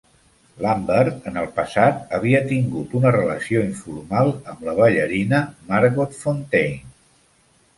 Lambert en el passat havia tingut una relació informal amb la ballarina Margot Fonteyn.